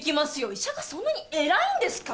医者がそんなに偉いんですか？